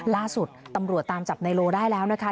ล่าสุดตำรวจตามจับในโลได้แล้วนะคะ